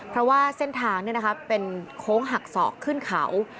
เพราะว่าเส้นทางเป็นโค้งหักศอกขึ้นเขา